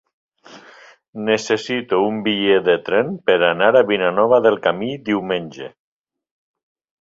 Necessito un bitllet de tren per anar a Vilanova del Camí diumenge.